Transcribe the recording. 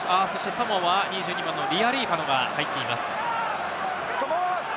サモアは２２番のリアリーファノが入っています。